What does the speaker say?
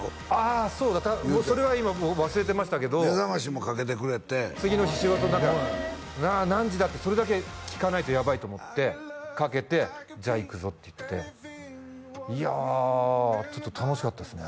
あそうだそれは今もう忘れてましたけど目覚ましもかけてくれて次の日仕事だから何時だってそれだけ聞かないとやばいと思ってかけてじゃあ行くぞって言っていやちょっと楽しかったですね